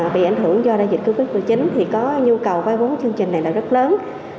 bị ảnh hưởng do đại dịch covid một mươi chín thì có nhu cầu vay vốn chương trình này là rất lớn